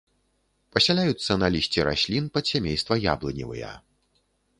Пасяляюцца на лісці раслін падсямейства яблыневыя.